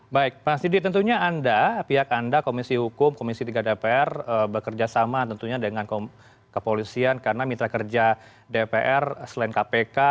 baik pak sidi tentunya anda pihak anda komisi hukum komisi tiga dpr bekerja sama tentunya dengan kepolisian karena mitra kerja dpr selain kpk